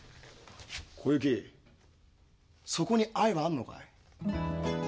「小雪そこに愛はあんのかい？」